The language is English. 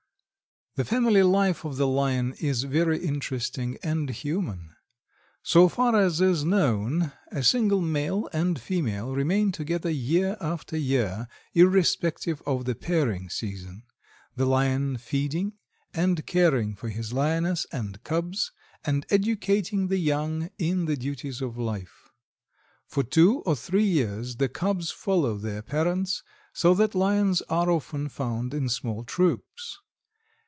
The family life of the Lion is very interesting and human. So far as is known, a single male and female remain together year after year, irrespective of the pairing season, the Lion feeding and caring for his Lioness and cubs and educating the young in the duties of life. For two or three years the cubs follow their parents, so that Lions are often found in small troops.